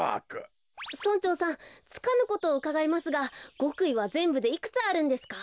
村長さんつかぬことをうかがいますがごくいはぜんぶでいくつあるんですか？